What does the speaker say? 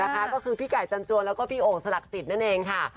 ก็คือพี่ไก่จันจวนแล้วก็พี่โอ่งสลักจิตนั่นเองค่ะ